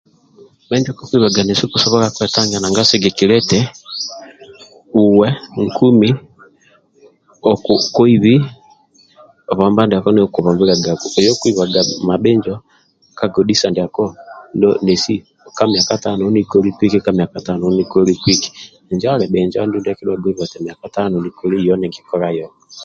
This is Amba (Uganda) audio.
Menjo kokwibaga nesi okusobhola kwetangia nanga sigikilia eti uwe nkumi oku koibi bomba ndiako ndio okubombiliagaku kuyo okuibaga mabhinjo kagodhisa ndiako nesi ka miaka tano yoho nikoliku eki, ka miaka tano yoho nikoliku eki Injo ali bhinjo ndia akiduaga niba eti miaka tano yoho nikoliku yoho ninkikola yoho